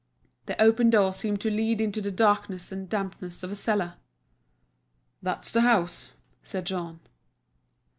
The open door seemed to lead into the darkness and dampness of a cellar. "That's the house," said Jean.